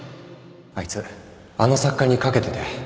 あいつあの作家に懸けてて